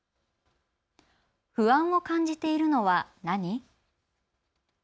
不安を感じているのは何？